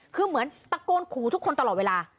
คือเหมือนตะโกนขู่ทุกคนตลอดเวลา